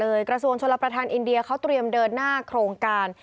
กระทรวงชลประธานอินเดียเขาเตรียมเดินหน้าโครงการ